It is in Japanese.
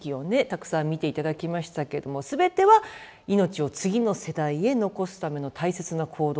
たくさん見ていただきましたけども全ては命を次の世代へ残すための大切な行動だということで。